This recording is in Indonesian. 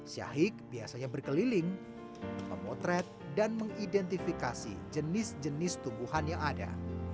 syahik biasanya berkeliling memotret dan mengidentifikasi jenis jenis tumbuhan yang ada